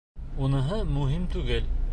Уныһы мөһим түгел.